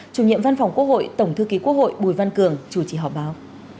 chủ nhiệm văn phòng quốc hội tổng thư ký quốc hội bùi văn cường chủ trì họp báo